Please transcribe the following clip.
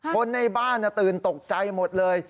คนในบ้านตื่นตกใจหมดเลย